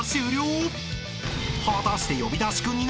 ［果たして］